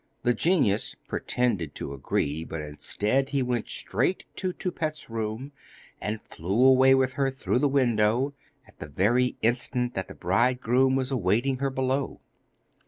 The genius pretended to agree, but, instead, he went straight to Toupette's room, and flew away with her through the window, at the very instant that the bridegroom was awaiting her below.